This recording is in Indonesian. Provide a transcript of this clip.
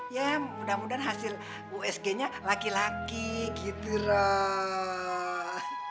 ya mudah mudahan hasil usg nya laki laki gitu loh